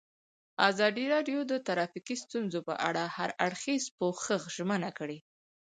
ازادي راډیو د ټرافیکي ستونزې په اړه د هر اړخیز پوښښ ژمنه کړې.